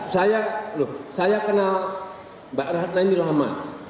saya loh saya kenal mbak ratna ini lama